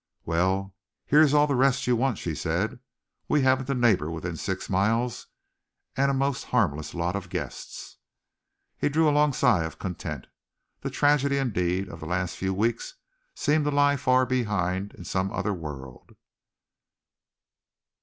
"Well, here is all the rest you want," she said. "We haven't a neighbor within six miles, and a most harmless lot of guests." He drew a long sigh of content. The tragedy, indeed, of the last few weeks seemed to lie far behind in some other world!